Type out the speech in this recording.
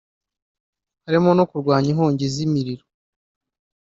harimo no kurwanya inkongi z’imiriro